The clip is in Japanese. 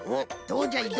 どうじゃい？